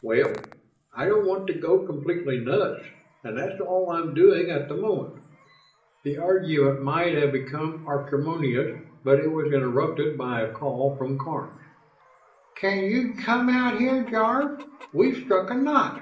"Well, I don't want to go completely nuts, and that's all I'm doing at the moment!" The argument might have become acrimonious, but it was interrupted by a call from Karns. "Can you come out here, Jarve? We've struck a knot."